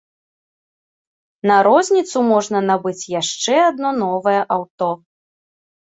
На розніцу можна набыць яшчэ адно новае аўто!